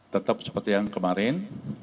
tetap seperti yang kemarin